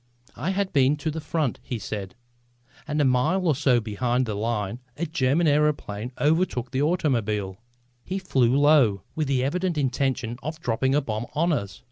"I had been to the front," he said, "and a mile or so behind the line a German aëroplane overtook the automobile. He flew low, with the evident intention of dropping a bomb on us.